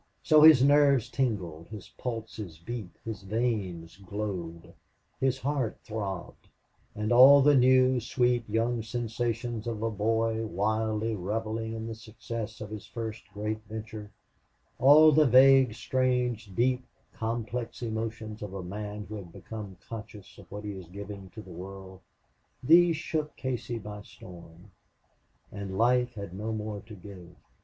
So his nerves tingled, his pulses beat, his veins glowed, his heart throbbed; and all the new, sweet, young sensations of a boy wildly reveling in the success of his first great venture, all the vague, strange, deep, complex emotions of a man who has become conscious of what he is giving to the world these shook Casey by storm, and life had no more to give.